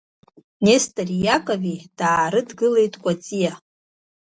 Несҭори Иакови даарыдгылеит Кәаҵиа.